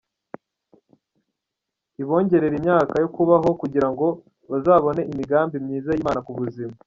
ibongerere imyaka yo kubaho kugira ngo bazabone imigambi myiza y'Imana ku buzima.